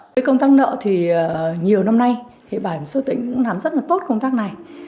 với công tác nợ thì nhiều năm nay thì bảo hiểm xã tỉnh cũng làm rất là tốt công tác này